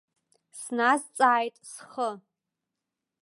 Сназҵааит схы.